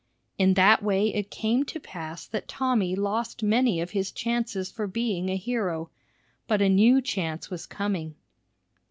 In that way it came to pass that Tommy lost many of his chances for being a hero; but a new chance was coming.